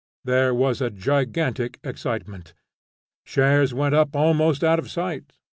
There was a gigantic excitement; shares went up almost out of sight.